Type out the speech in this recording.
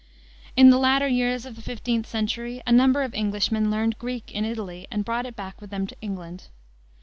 In the latter years of the 15th century a number of Englishmen learned Greek in Italy and brought it back with them to England.